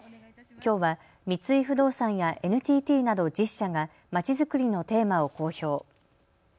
きょうは三井不動産やＮＴＴなど１０社が街づくりのテーマを公表。